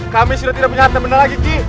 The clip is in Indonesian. kami sudah tidak punya teman lagi